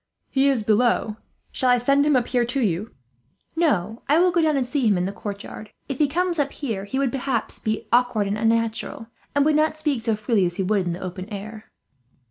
"He is below. Shall I send him up here to you?" "No, I will go down and see him in the courtyard. If he comes up here he would be, perhaps, awkward and unnatural, and would not speak so freely as he would in the open air."